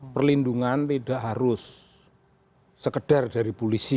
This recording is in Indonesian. perlindungan tidak harus sekedar dari polisi